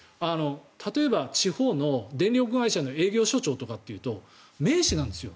例えば地方の電力会社の営業所長とかというと名士なんですよ。